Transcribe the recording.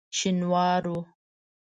شینوارو.